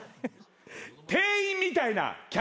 店員みたいな客。